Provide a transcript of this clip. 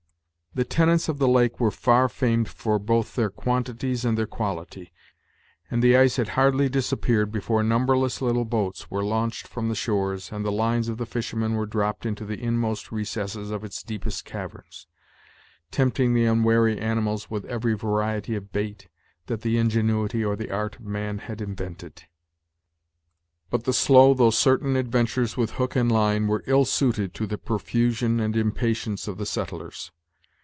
The tenants of the lake were far famed for both their quantities and their quality, and the ice had hardly disappeared before numberless little boats were launched from the shores, and the lines of the fishermen were dropped into the inmost recesses of its deepest caverns, tempting the unwary animals with every variety of bait that the ingenuity or the art of man had invented. But the slow though certain adventures with hook and line were ill suited to the profusion and impatience of the settlers.